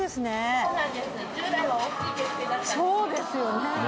そうですよね。